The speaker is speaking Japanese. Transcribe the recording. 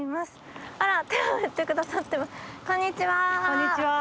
こんにちは。